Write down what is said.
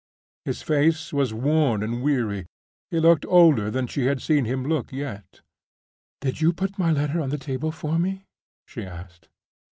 His face was worn and weary; he looked older than she had seen him look yet. "Did you put my letter on the table for me?" she asked.